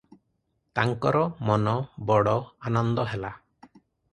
ତାଙ୍କର ମନ ବଡ଼ ଆନନ୍ଦ ହେଲା ।